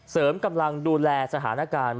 กำลังดูแลสถานการณ์